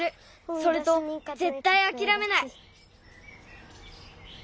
それとぜったいあきらめない。